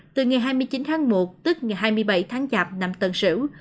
từ ngày hai mươi chín tháng một tức ngày hai mươi bảy tháng chạp năm tân sửu